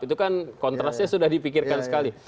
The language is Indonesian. itu kan kontrasnya sudah dipikirkan sekali